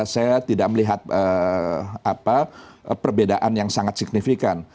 saya tidak melihat perbedaan yang sangat signifikan